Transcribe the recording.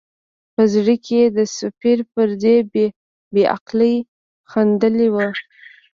په زړه کې یې د سفیر پر دې بې عقلۍ خندلي وه.